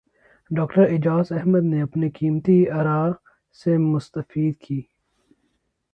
doctor Ijaz Ahmed نے اپنے قیمتی اراءسے مستفید کی